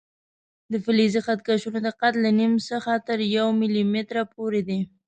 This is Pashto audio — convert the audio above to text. د فلزي خط کشونو دقت له نیم څخه تر یو ملي متره پورې دی.